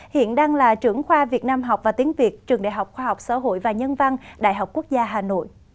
hiện đang là trưởng khoa việt nam học và tiếng việt trường đại học khoa học xã hội và nhân văn đại học quốc gia hà nội